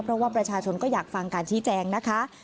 เพราะว่าประชาชนก็อยากฟังการชี้แจงนะคะ